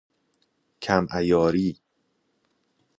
کم عیاری